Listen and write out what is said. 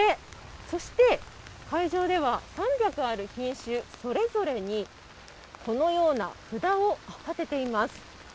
そして、会場では３００ある品種、それぞれにこのような札を立てています。